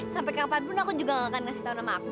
sampai kapanpun aku juga gak akan ngasih tahu nama aku